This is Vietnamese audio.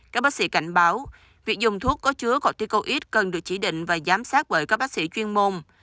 các bác sĩ cảnh báo việc dùng thuốc có chứa corticoid cần được chỉ định và giám sát bởi các bác sĩ chuyên môn